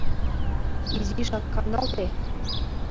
Изишак каналте.